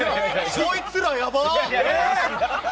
こいつら、やばっ！